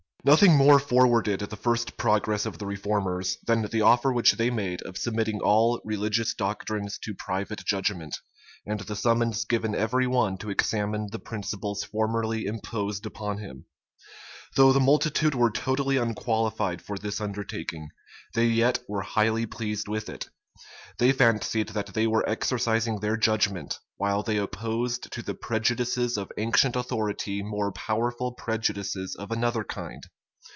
Nothing more forwarded the first progress of the reformers, than the offer which they made of submitting all religious doctrines to private judgment, and the summons given every one to examine the principles formerly imposed upon him. Though the multitude were totally unqualified for this undertaking, they yet were highly pleased with it. They fancied that they were exercising their judgment, while they opposed to the prejudices of ancient authority more powerful prejudices of another kind.